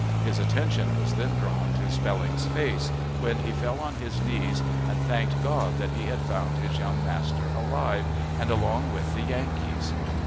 His attention was then drawn to Spelling's face, when he fell on his knees and thanked God that he had found his young master alive and along with the Yankees.